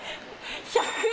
１００円？